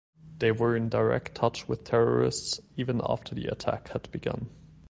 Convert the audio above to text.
They were in direct touch with terrorists even after the attack had begun.